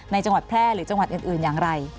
ในจังหวัดแพร่หรืออื่นอย่างไร